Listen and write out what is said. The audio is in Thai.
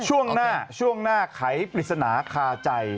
ช่วงหน้าช่วงหน้าไขปริศนาคาใจ